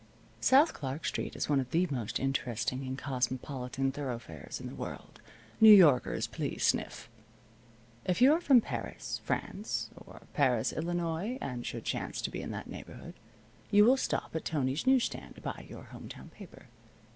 South Clark Street is one of the most interesting and cosmopolitan thoroughfares in the world (New Yorkers please sniff). If you are from Paris, France, or Paris, Illinois, and should chance to be in that neighborhood, you will stop at Tony's news stand to buy your home town paper.